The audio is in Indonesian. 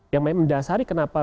yang mendasari kenapa